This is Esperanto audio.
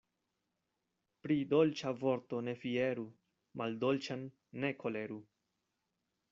Pri dolĉa vorto ne fieru, maldolĉan ne koleru.